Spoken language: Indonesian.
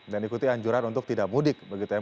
dan ikuti anjuran untuk tidak mudik begitu ya